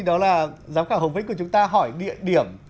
đó là giám khảo hồng vĩnh của chúng ta hỏi địa điểm